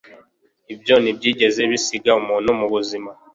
ibyo ntibyigeze bisiga umuntu muzima